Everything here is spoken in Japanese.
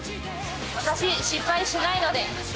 わたし失敗しないので。